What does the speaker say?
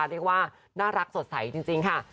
เรียกว่าน่ารักสดใสจริงค่ะ